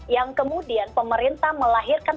yang kemudian pemerintah melahirkan